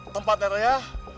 tempatnya teh ya